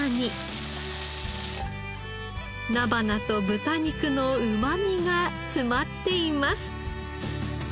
菜花と豚肉のうまみが詰まっています。